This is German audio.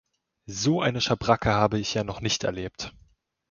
So eine Schabracke habe ich ja noch nicht erlebt!